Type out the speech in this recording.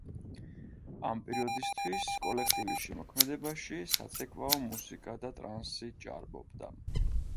ამ პერიოდისთვის კოლექტივის შემოქმედებაში საცეკვაო მუსიკა და ტრანსი ჭარბობდა.